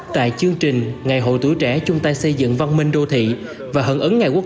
tại chương trình ngày hội tuổi trẻ chúng ta xây dựng văn minh đô thị và hận ứng ngày quốc